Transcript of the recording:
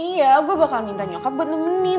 iya gue bakal minta nyokap buat nemenin